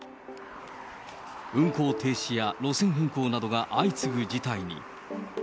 運行停止や路線変更などが相次ぐ事態に。